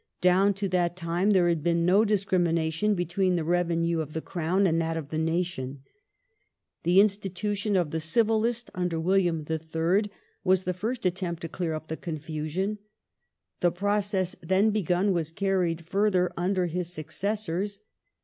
Down to that time there had been no discrimina tion between the revenue of the Crown and that of the nation. The institution of the Civil List under William III. was the fii st attempt to clear up the confusion. The process then begun was carried further under his successoi s.